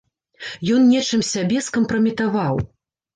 Ён нечым сябе скампраметаваў.